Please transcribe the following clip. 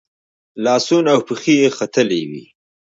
لاسونه او پښې یې ختلي وي.